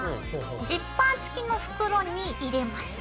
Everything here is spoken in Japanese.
ジッパー付きの袋に入れます。